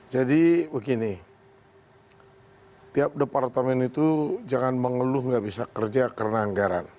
jadi begini tiap departemen itu jangan mengeluh tidak bisa kerja karena anggaran